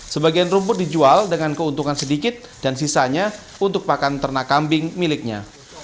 sebagian rumput dijual dengan keuntungan sedikit dan sisanya untuk pakan ternak kambing miliknya